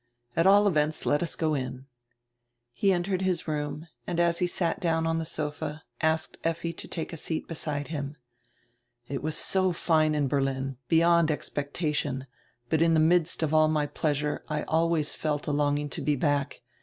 At all events let us go in." He entered his room and as he sat down on the sofa asked Effi to take a seat beside him. "It was so fine in Berlin, beyond expectation, but in die midst of all my pleasure I always felt a longing to be back.